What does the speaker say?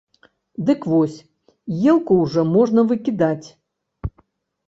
Дык вось, елку ўжо можна выкідаць.